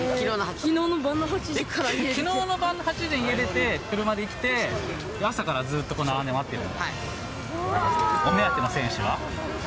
きのうの晩の８時に家出て、車で来て、朝からずっと並んで待ってるの？